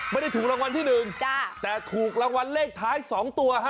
ไม่ได้ถูกรางวัลที่หนึ่งแต่ถูกรางวัลเลขท้าย๒ตัวฮะ